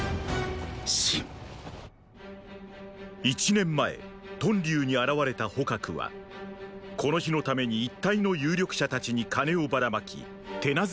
信一年前屯留に現れた蒲はこの日のために一帯の有力者たちに金をばらまき手なずけていた。